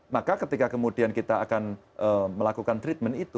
maka ketika kemudian kita akan melakukan treatment itu